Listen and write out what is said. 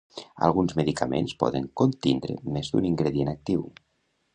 Alguns medicaments poden contindre més d'un ingredient actiu.